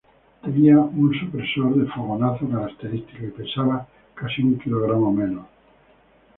Tenía un supresor de fogonazo característico, y pesaba casi un kilogramo menos.